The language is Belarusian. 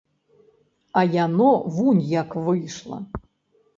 А яно вунь як выйшла!